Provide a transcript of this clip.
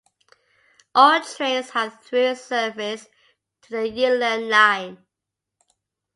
All trains have through service to the Yilan Line.